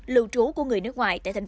lưu trú của người nước ngoài tại tp hcm